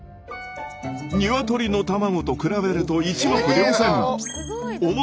ニワトリの卵と比べると一目瞭然。